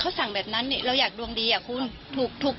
เขาสั่งแบบนั้นเราอยากดวงดีอ่ะคุณถูก